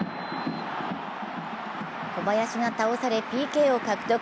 小林が倒されＰＫを獲得。